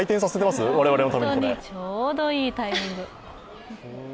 本当にちょうどいいタイミング。